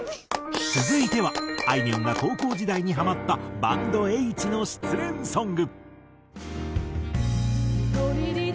続いてはあいみょんが高校時代にハマったバンドＨの失恋ソング。